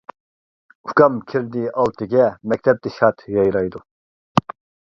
ئۇكام كىردى ئالتىگە مەكتەپتە شاد يايرايدۇ.